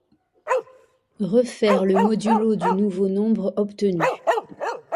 Refaire le modulo du nouveau nombre obtenu.